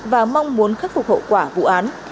và mong muốn khắc phục hậu quả vụ án